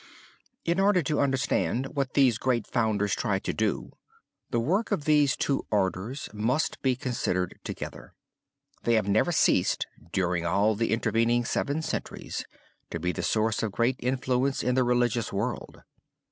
In order to understand what these great founders tried to do, the work of these two orders must be considered together. They have never ceased, during all the intervening seven centuries, to be the source of great influence in the religious world.